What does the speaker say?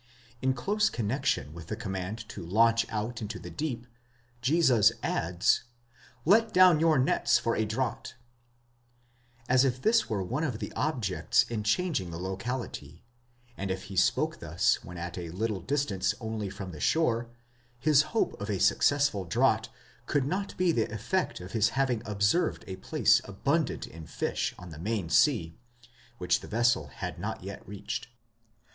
In close connexion with the command to launch out into the deep, Jesus adds, Let down your nets for a draught (éravayaye εἰς τὸ βάθος, καὶ χαλάσατε τὰ δίκτυα, x. τ. λ.), as if this were one of his objects in changing the locality ; and if he spoke thus when at a little distance only from the shore,. his hope of a successful draught could not be the effect of his having observed a place abundant in fish on the main sea, which the vessel had not yet reached.